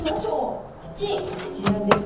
お口なんですね。